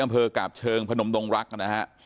อนเผลอกลาบเชิงทร์ผนมดงรักษ์นะฮะ